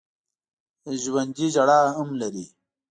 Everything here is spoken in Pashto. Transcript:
ژوندي ژړا هم لري